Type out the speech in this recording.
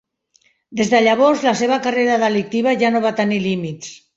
Des de llavors, la seva carrera delictiva ja no va tenir límits.